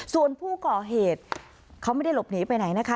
ส่วนผู้ก่อเหตุเขาไม่ได้หลบหนีไปไหนนะคะ